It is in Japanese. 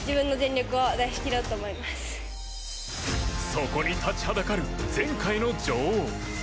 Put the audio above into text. そこに立ちはだかる前回の女王。